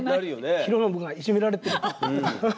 浩信がいじめられてると。